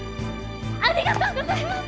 ありがとうございます！